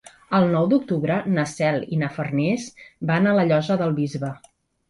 El nou d'octubre na Cel i na Farners van a la Llosa del Bisbe.